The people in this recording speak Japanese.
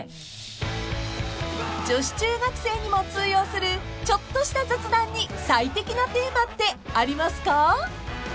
［女子中学生にも通用するちょっとした雑談に最適なテーマってありますか？］